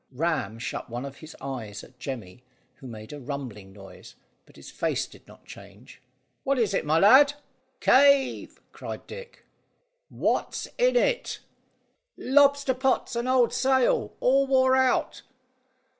Ram shut one of his eyes at Jemmy, who made a rumbling noise, but his face did not change. "What is it, my lad?" "Cave," cried Dick. "What's in it?" "Lobster pots and old sail. All wore out."